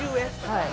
はい。